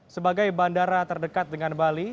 sebagai bandara terdekat dengan bali